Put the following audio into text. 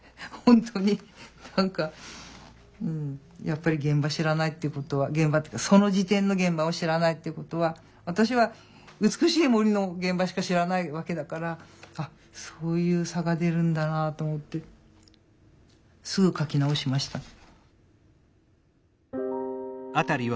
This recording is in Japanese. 本当に何かやっぱり現場知らないっていうことは現場っていうかその時点の現場を知らないっていうことは私は美しい森の現場しか知らないわけだからあっそういう差が出るんだなと思ってすぐ描き直しました。